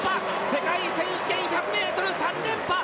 世界選手権１００ｍ、３連覇！